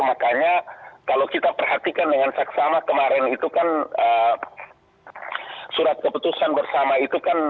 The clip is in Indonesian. makanya kalau kita perhatikan dengan saksama kemarin itu kan surat keputusan bersama itu kan